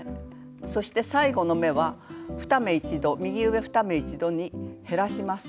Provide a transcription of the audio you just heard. そして最後の目は右上２目一度に減らします。